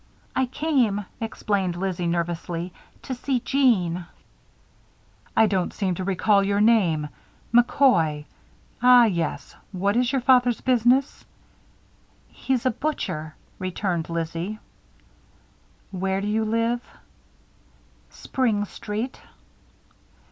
"I came," explained Lizzie, nervously, "to see Jeanne." "I don't seem to recall your name McCoy. Ah, yes. What is your father's business?" "He's a butcher," returned Lizzie. "Where do you live?" "Spring Street."